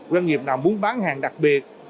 doanh nghiệp nào muốn bán hàng đặc biệt